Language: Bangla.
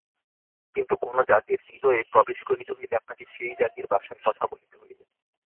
কিন্তু কোন জাতির হৃদয়ে প্রবেশ করিতে হইলে আপনাকে সেই জাতির ভাষায় কথা বলিতে হইবে।